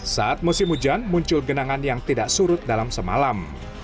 saat musim hujan muncul genangan yang tidak surut dalam semalam